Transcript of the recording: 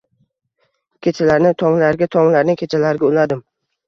Kechalarni tonglarga, tonglarni kechalarga uladim